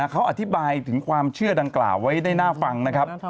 เขาอธิบายถึงความเชื่อดังกล่าวไว้ได้น่าฟังนะครับ